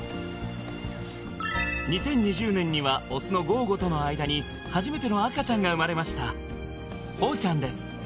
２０２０年にはオスのゴーゴとの間に初めての赤ちゃんが生まれましたホウちゃんです